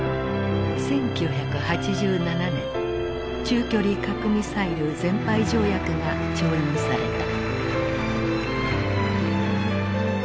１９８７年中距離核ミサイル全廃条約が調印された。